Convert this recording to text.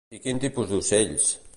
I quin tipus d'ocells?